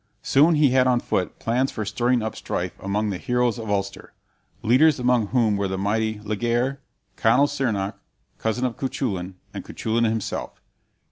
Soon he had on foot plans for stirring up strife among the heroes of Ulster, leaders among whom were the mighty Laegaire, Conall Cearnach, cousin of Cuchulain, and Cuchulain himself.